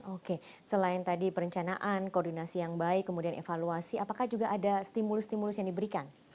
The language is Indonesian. oke selain tadi perencanaan koordinasi yang baik kemudian evaluasi apakah juga ada stimulus stimulus yang diberikan